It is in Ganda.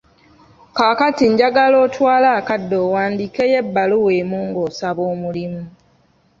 Kaakati njagala otwale akadde owandiikeyo ebbaluwa emu ng'osaba omulimu.